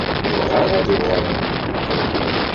Bɣiɣ ad uɣalen d imdukal-ik.